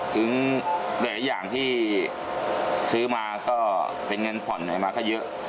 ถึงหลายอย่างที่ซื้อมาก็เป็นเงินผ่อนไหนมาก็เยอะ